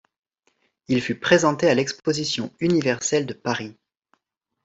Il fut présenté à l'Exposition Universelle de Paris.